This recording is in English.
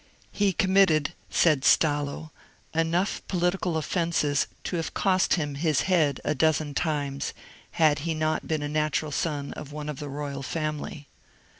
He committed, said Stallo, enough political offences to have cost him his head a dozen times, had he not been a natural son of one of the royal family.